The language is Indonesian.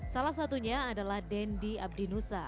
salah satunya adalah dendi abdinusa